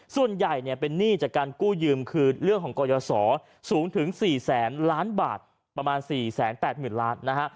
ส่วนใหญ่เป็นหนี้จากการกู้ยืมคือเรื่องของกยศสูงถึง๔แสนล้านบาทประมาณ๔แสน๘หมื่นล้านบาท